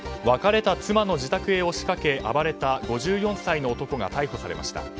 別れた妻の自宅へ押しかけ、暴れた５４歳の男が逮捕されました。